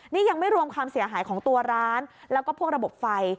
นี่ยังไม่รวมความเสียหายของตัวร้านแล้วก็พวกระบบไฟ